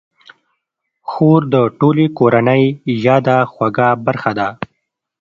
خور د ټولې کورنۍ یاده خوږه برخه ده.